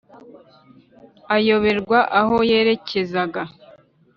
ayoberwa aho yerekezaga.